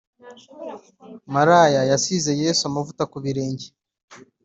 maraya yasize yesu amavuta kubirenge